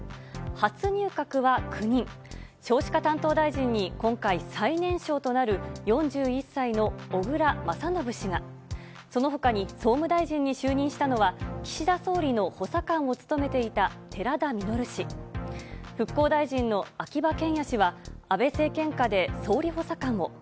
初入閣は９人、少子化担当大臣に今回、最年少となる４１歳の小倉将信氏が、そのほかに総務大臣に就任したのは、岸田総理の補佐官を務めていた寺田稔氏、復興大臣の秋葉賢也氏は、安倍政権下で総理補佐官を。